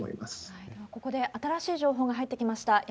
ここで新しい情報が入ってきました。